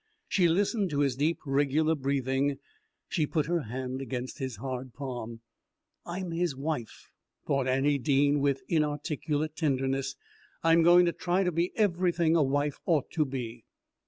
She listened to his deep, regular breathing, she put her hand against his hard palm. "I'm his wife," thought Annie Dean with inarticulate tenderness. "I'm going to try to be everything a wife ought to be."